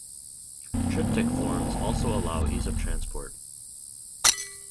Triptych forms also allow ease of transport.